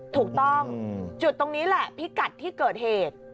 ถูกต้องจุดตรงนี้แหละพิกัดที่เกิดเหตุ